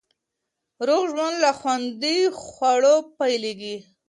روغ ژوند له خوندي خوړو پیلېږي.